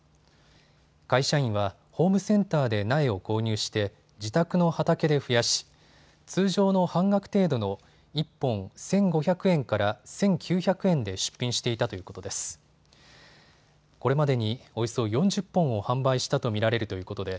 会社員はホームセンターで苗を購入して自宅の畑で増やし通常の半額程度の１本１５００円から１９００円で出品していたということです。